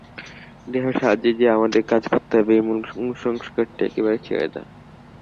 দেহের সাহায্যেই যে আমাদের কাজ করতে হবে, এই মূল কুসংস্কারটি একেবারে ছেড়ে দাও।